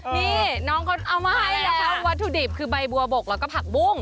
นี่น้องเขาเอามาให้นะคะวัตถุดิบคือใบบัวบกแล้วก็ผักบุ้ง